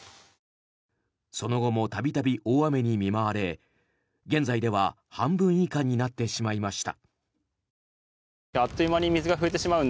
その後も度々大雨に見舞われ現在では半分以下になってしまいました。